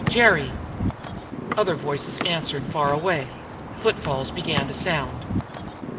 Jerry!" Other voices answered far away; footfalls began to sound.